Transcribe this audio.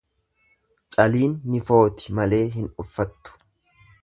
Caliin ni footi malee hin uffattu.